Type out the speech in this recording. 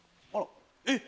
えっ！